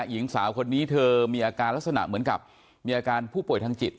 หญิงสาวคนนี้เธอมีอาการลักษณะเหมือนกับมีอาการผู้ป่วยทางจิต